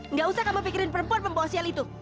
nggak usah kamu pikirin perempuan membawa sial itu